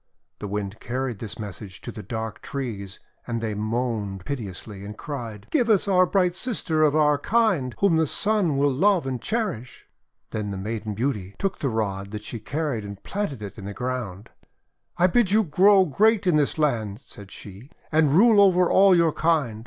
The Wind carried this message to the dark trees, and they moaned piteously, and cried: — ;<Give unto us a bright sister of our kind, whom the Sun will love and cherish!' Then the Maiden Beauty took the rod that she carried, and planted it in the ground. "I bid you grow great in this land," said she, :cand rule over all your kind.